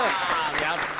やった。